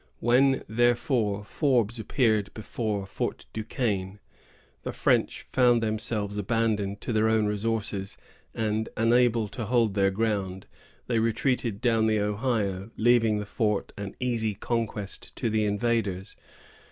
When, therefore, Forbes appeared before Fort du Quesne, the French found themselves abandoned to their own resources; and, unable to hold their ground, they retreated down the Ohio, leaving the fort an easy conquest to the invaders.